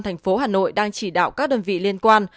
thành phố hà nội đang chỉ đạo các đơn vị liên quan